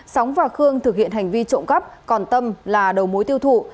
sóng và khương thực hiện hành vi trộm cắp còn tâm là đầu mối tiêu thụ